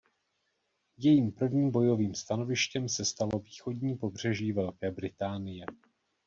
Jejím prvním bojovým stanovištěm se stalo východní pobřeží Velké Británie.